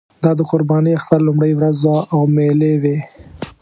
دا د قربانۍ اختر لومړۍ ورځ وه او مېلې وې.